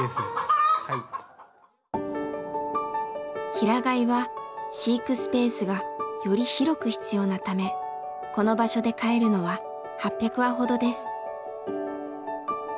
平飼いは飼育スペースがより広く必要なためこの場所で飼えるのは８００羽ほどです。